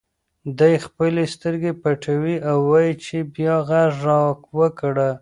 دی خپلې سترګې پټوي او وایي چې بیا غږ راوکړه.